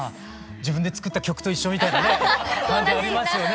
自分で作った曲と一緒みたいなね感じありますよね。